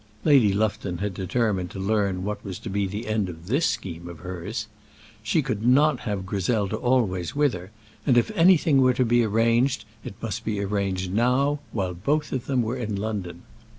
Lady Lufton had determined to learn what was to be the end of this scheme of hers. She could not have Griselda always with her, and if anything were to be arranged it must be arranged now, while both of them were in London.